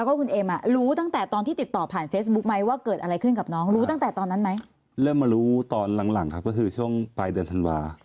ก็คือช่วงปลายเดือนธรรมดา